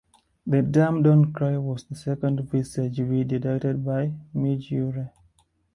"The Damned Don't Cry" was the second Visage video directed by Midge Ure.